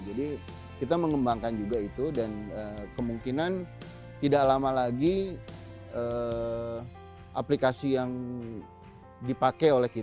jadi kita mengembangkan juga itu dan kemungkinan tidak lama lagi aplikasi yang dipakai oleh kita